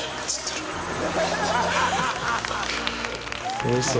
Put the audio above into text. おいしい？